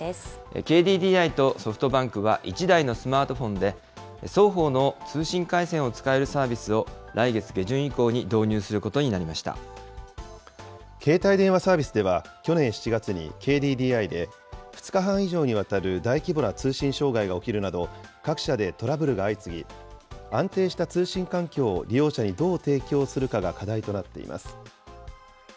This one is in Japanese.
ＫＤＤＩとソフトバンクは、１台のスマートフォンで、双方の通信回線を使えるサービスを、来月下旬以降に導入することになり携帯電話サービスでは、去年７月にＫＤＤＩで２日半以上にわたる大規模な通信障害が起きるなど、各社でトラブルが相次ぎ、安定した通信環境を利用者にどう提供するかが課題となっています。